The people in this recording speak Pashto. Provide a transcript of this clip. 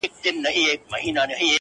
د زړګي لښکر مي ټوله تار و مار دی,